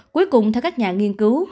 cuối cùng theo các nhà nghiên cứu